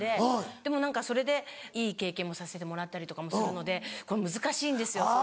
でも何かそれでいい経験もさせてもらったりとかもするのでこれ難しいんですよ。